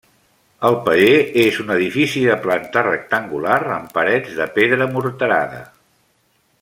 El paller és un edifici de planta rectangular amb parets de pedra morterada.